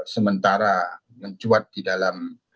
sementara mencuat di dalam